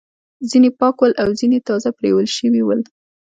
ځینې پاک ول او ځینې تازه پریولل شوي ول.